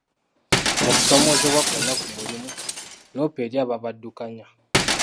Mu kusomoozebwa kwonna ku mulimu, loopa eri abaabaddukanya.